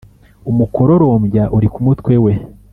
umukororombya uri ku mutwe we,